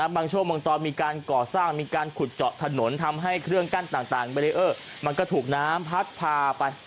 บางช่วงบางตอนมีการก่อสร้างมีการขุดเจาะถนนทำให้เครื่องกั้นต่างเบรีเออร์มันก็ถูกน้ำพัดพาไป